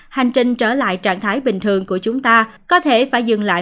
hành trình trở lại trạng thái bình thường của chúng ta có thể phải dừng lại